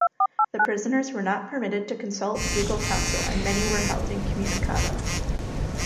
The prisoners were not permitted to consult legal counsel, and many were held incommunicado.